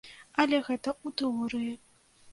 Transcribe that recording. Але гэта ў тэорыі.